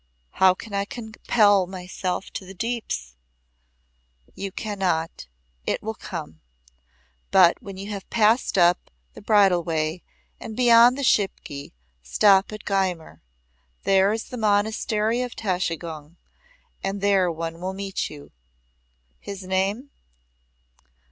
"How can I compel myself to the deeps?" "You cannot. It will come. But when you have passed up the bridle way and beyond the Shipki, stop at Gyumur. There is the Monastery of Tashigong, and there one will meet you "His name?"